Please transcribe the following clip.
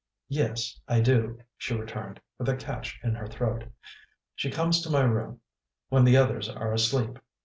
"Yes, I do," she returned, with a catch in her throat. "She conies to my room when the others are asleep.